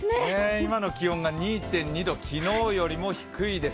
今の気温が２．２度、昨日よりも低いです。